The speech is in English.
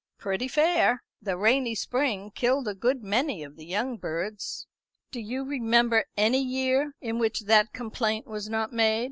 "Pretty fair. The rainy spring killed a good many of the young birds." "Do you remember any year in which that complaint was not made?"